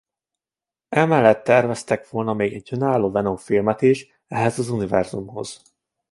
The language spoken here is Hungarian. Emellett terveztek volna még egy önálló Venom filmet is ehhez az univerzumhoz.